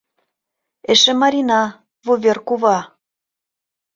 Эше Марина, вувер кува!